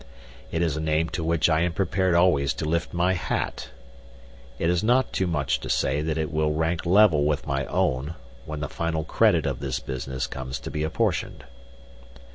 It is a name to which I am prepared always to lift my hat. It is not too much to say that it will rank level with my own when the final credit of this business comes to be apportioned.